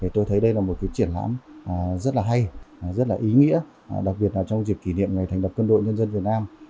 thế đây là một cái triển lãm rất là hay rất là ý nghĩa đặc biệt là trong dịp kỷ niệm ngày thành đập quân đội nhân dân việt nam